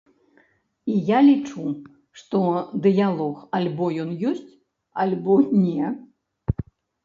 І я лічу, што дыялог альбо ён ёсць, альбо не.